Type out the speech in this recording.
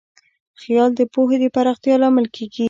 خیال د پوهې د پراختیا لامل کېږي.